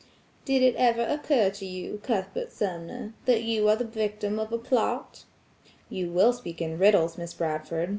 "Did it ever occur to you, Cuthbert Sumner, that you are the victim of a plot?" "You will speak in riddles, Miss Bradford.